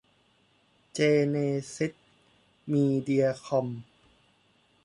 เจเนซิส มีเดียคอม